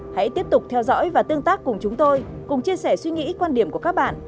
hãy tiếp tục theo dõi và tương tác cùng chúng tôi cùng chia sẻ suy nghĩ quan điểm của các bạn